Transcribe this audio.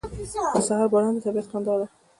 • د سهار باران د طبیعت خندا ده.